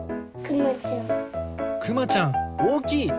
くまちゃんおおきい！